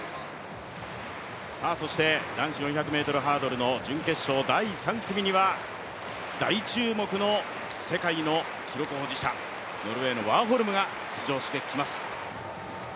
そして、男子４００ｍハードルの準決勝第３組には大注目の世界の記録保持者、ノルウェーのワーホルムが出場してきます。